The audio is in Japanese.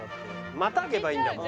またげばいいんだもん。